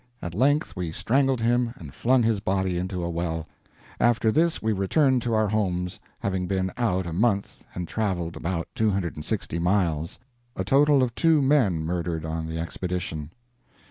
at length we strangled him and flung his body into a well. After this we returned to our homes, having been out a month and traveled about 260 miles. A total of two men murdered on the expedition."